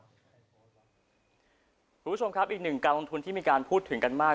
คุณผู้ชมครับอีกหนึ่งการลงทุนที่มีการพูดถึงกันมาก